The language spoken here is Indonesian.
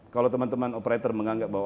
kalau teman teman operator menganggap bahwa